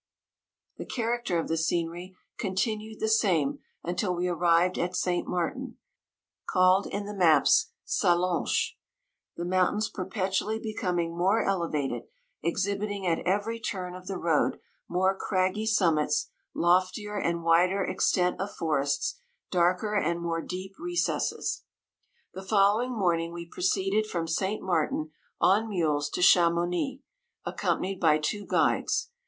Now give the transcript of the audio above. The character of the scenery conti nued the same until we arrived at St* Martin (called in the maps Sallanches) the mountains perpetually becoming more elevated, exhibiting at every turn of the road more craggy summits, lof tier and wider extent of forests, darker and more deep recesses. . 147 The following morning we proceed ed from St. Martin on mules to Cha mouni, accompanied by two guides.